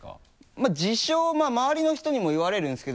まぁ自称まわりの人にも言われるんですけど。